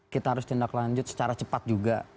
kita harus tindak lanjut secara cepat juga